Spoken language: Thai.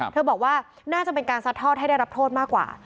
บอกว่าน่าจะเป็นการซัดทอดให้ได้รับโทษมากกว่า